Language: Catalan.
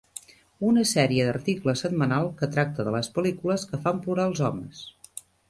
Una sèrie d'articles setmanal que tracta de les pel·lícules que fan plorar els homes.